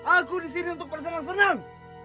aku disini untuk bersenang senang